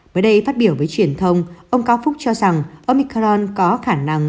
mới đây phát biểu với truyền thông ông cao phúc cho rằng omicron có khả năng